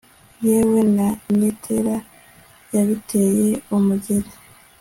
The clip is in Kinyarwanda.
yewe na nyetera yabiteye umugeli